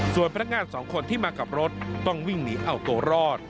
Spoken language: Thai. ส่วนพนักงานสองคนที่มากับรถต้องวิ่งหนีเอาตัวรอด